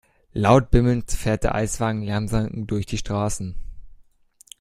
Laut bimmelnd fährt der Eiswagen langsam durch die Straßen.